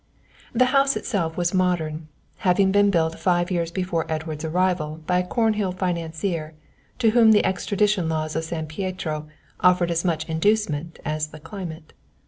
The house itself was modern, having been built five years before Edward's arrival by a Cornhill financier, to whom the extradition laws of San Pietro offered as much inducement as the climate.